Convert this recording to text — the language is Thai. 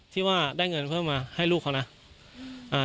ที่ว่าได้เงินเพิ่มมาให้ลูกเขานะอ่า